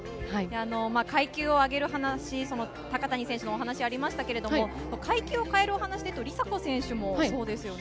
階級を上げる話、高谷選手のお話、ありましたけど階級を変えるお話で梨紗子選手もそうですよね。